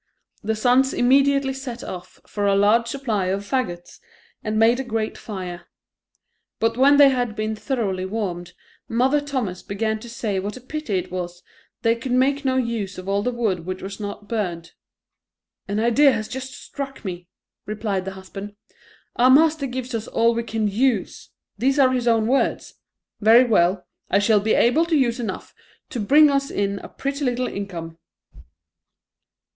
The sons immediately set off for a large supply of faggots, and made a great fire; but when they had been thoroughly warmed, Mother Thomas began to say what a pity it was they could make no use of all the wood which was not burned. "An idea has just struck me," replied the husband; "our master gives us all we can use; these are his own words, very well; I shall be able to use enough to bring us in a pretty little income!"